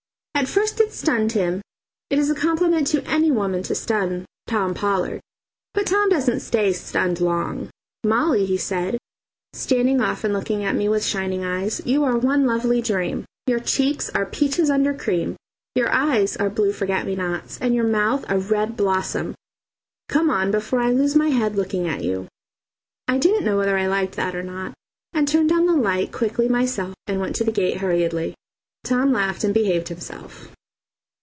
At first it stunned him and it is a compliment to any woman to stun Tom Pollard. But Tom doesn't stay stunned long. "Molly," he said, standing off and looking at me with shining eyes, "you are one lovely dream. Your cheeks are peaches under cream, your eyes are blue forget me nots, and your mouth a red blossom. Come on before I lose my head looking at you." I didn't know whether I liked that or not, and turned down the light quickly myself and went to the gate hurriedly. Tom laughed and behaved himself.